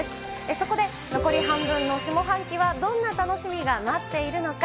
そこで残り半分の下半期はどんな楽しみが待っているのか。